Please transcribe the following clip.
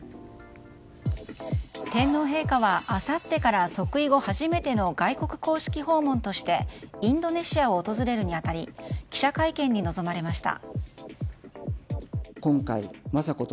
天皇陛下はあさってから即位後初めての外国公式訪問としてインドネシアを訪れるに当たり記者会見に臨まれました。